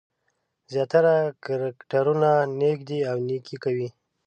زیاتره کرکټرونه نېک دي او نېکي کوي.